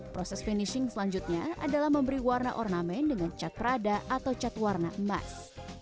proses finishing selanjutnya adalah memberi warna ornamen dengan cat prada atau cat warna emas